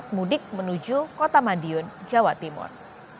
mudik menuju kota madiun jawa timur